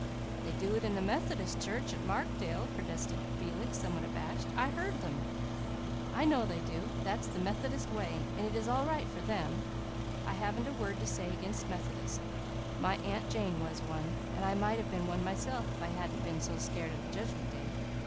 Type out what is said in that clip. "They do it in the Methodist church at Markdale," protested Felix, somewhat abashed. "I heard them." "I know they do. That's the Methodist way and it is all right for them. I haven't a word to say against Methodists. My Aunt Jane was one, and I might have been one myself if I hadn't been so scared of the Judgment Day.